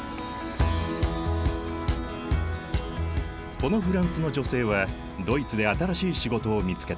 このフランスの女性はドイツで新しい仕事を見つけた。